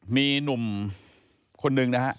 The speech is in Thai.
มีหนุ่มคนหนึ่งนะฮะ